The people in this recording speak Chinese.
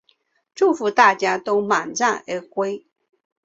祝福大家都满载而归